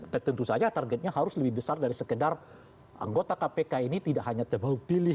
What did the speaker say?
tentu saja targetnya harus lebih besar dari sekedar anggota kpk ini tidak hanya terpilih